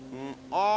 ああ！